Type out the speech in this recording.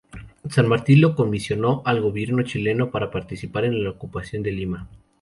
San Martín lo comisionó al gobierno chileno para participar en la ocupación de Lima.